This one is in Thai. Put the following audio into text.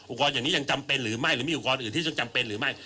อย่างนี้ยังจำเป็นหรือไม่หรือมีอุปกรณ์อื่นที่จำเป็นหรือไม่